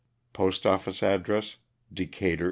Postoftice address, Decatur, 111.